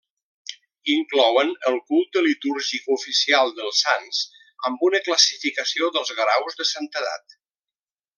Inclouen el culte litúrgic oficial dels sants amb una classificació dels graus de santedat.